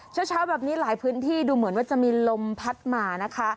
เช้าแบบนี้หลายพื้นที่ดูเหมือนว่าจะมีลมพัดมานะคะ